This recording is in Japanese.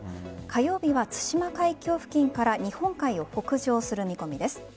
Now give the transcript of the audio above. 火曜日は対馬海峡付近から日本海を北上する見込みです。